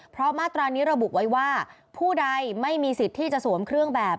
เพราะมาตรานี้ระบุไว้ว่าผู้ใดไม่มีสิทธิ์ที่จะสวมเครื่องแบบ